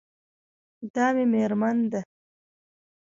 دا مې میرمن ده